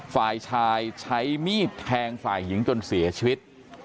ฝ่ายชายใช้มีดแทงฝ่ายหญิงจนเสียชีวิต